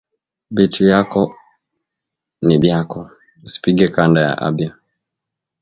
Bitu byako ni byako usipige kanda ya abyo